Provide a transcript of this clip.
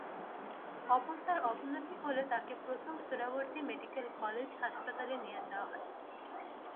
অবস্থার অবনতি হলে তাকে প্রথম সোহরাওয়ার্দী মেডিকেল কলেজ হাসপাতালে নিয়ে যাওয়া হয়।